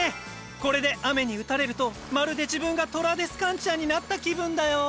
これで雨に打たれるとまるで自分がトラデスカンチアになった気分だよ。